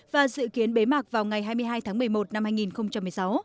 và dự kiến bế mạc vào ngày hai mươi hai tháng một mươi một năm hai nghìn một mươi sáu